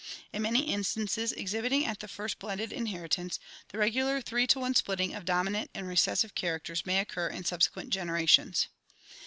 In many instances exhibiting at first blended inheritance, the regular three to one splitting of dominant and recessive char acters may occur in subsequent generations.